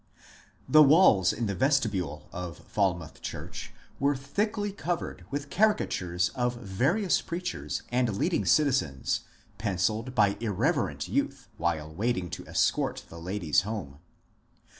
The walls in the vestibule of Falmouth church were thickly covered with caricatures of various preachers and leading citizens pencilled by irreverent youth while waiting to escort the ladies home.